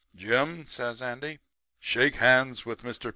"'Jim,' says Andy, 'shake hands with Mr. Peters.'"